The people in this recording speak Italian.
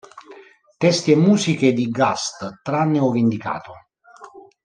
Testi e musiche di Gast, tranne ove indicato.